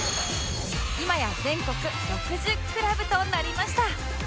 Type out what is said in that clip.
今や全国６０クラブとなりました